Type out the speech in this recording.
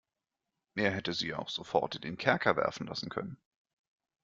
Er hätte sie auch sofort in den Kerker werfen lassen können.